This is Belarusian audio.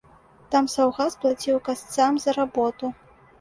Там саўгас плаціў касцам за работу.